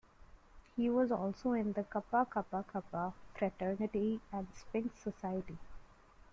He was also in the Kappa Kappa Kappa fraternity and Sphinx Society.